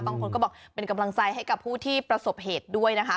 บางคนก็บอกเป็นกำลังใจให้กับผู้ที่ประสบเหตุด้วยนะคะ